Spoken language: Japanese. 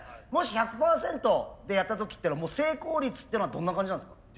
もし１００％でやった時っていうのは成功率っていうのはどんな感じなんですか？